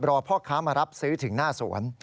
พ่อค้ามารับซื้อถึงหน้าสวน